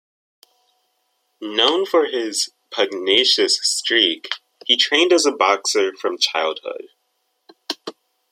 Known for his "pugnacious streak," he trained as a boxer from childhood.